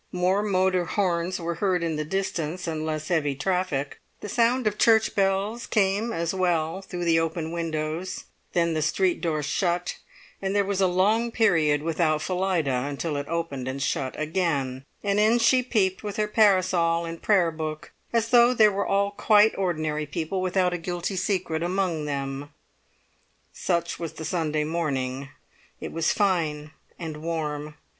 More motor horns were heard in the distance, and less heavy traffic; the sound of church bells came as well through the open windows; then the street door shut, and there was a long period without Phillida, until it opened and shut again, and in she peeped with her parasol and Prayer book, as though they were all quite ordinary people without a guilty secret among them! Such was the Sunday morning. It was fine and warm.